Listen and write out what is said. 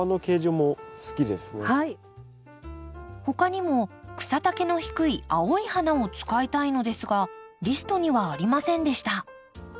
他にも草丈の低い青い花を使いたいのですがリストにはありませんでした。